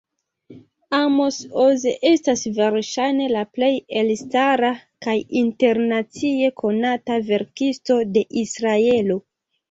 Amos Oz estas verŝajne la plej elstara kaj internacie konata verkisto de Israelo.